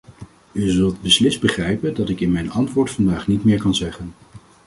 U zult beslist begrijpen dat ik in mijn antwoord vandaag niet meer kan zeggen.